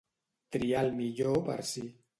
Triar el millor per si.